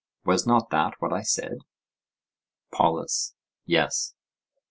—Was not that what I said? POLUS: Yes.